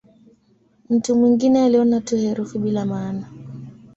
Mtu mwingine aliona tu herufi bila maana.